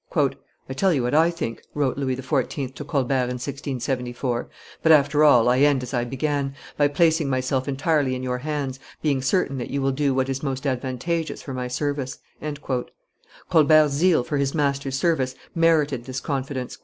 "I tell you what I think," wrote Louis XIV. to Colbert in 1674; "but, after all, I end as I began, by placing myself entirely in your hands, being certain that you will do what is most advantageous for my service." Colbert's zeal for his master's service merited this confidence.